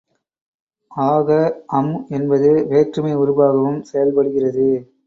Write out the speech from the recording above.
ஆக, அம் என்பது வேற்றுமை உருபாகவும் செயல்படுகிறது.